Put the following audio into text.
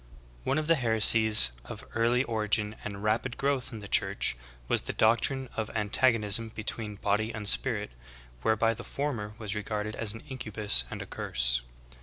One of the heresies of early origin and rapid growth in the Church was the doctrine of antagonism between body and spirit, whereby the form er was regarded as an incubus and a curse.